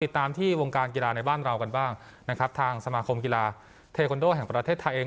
ตามที่วงการกีฬาในบ้านเรากันบ้างนะครับทางสมาคมกีฬาเทคอนโดแห่งประเทศไทยเอง